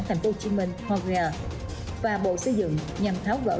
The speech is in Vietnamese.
thành phố hồ chí minh hoa kỳa và bộ xây dựng nhằm tháo gỡ